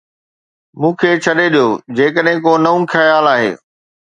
منهن کي ڇڏي ڏيو جيڪڏهن ڪو نئون خيال آهي.